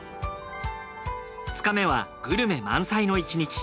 ２日目はグルメ満載の１日。